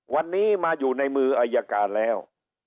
วันนี้มาอยู่ในมืออายการแล้ว